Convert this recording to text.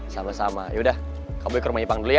sama sama yaudah kak boy ke rumah ipang dulu ya